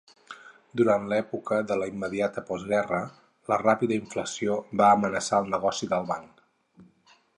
Durant l'època de la immediata postguerra, la ràpida inflació va amenaçar el negoci del banc.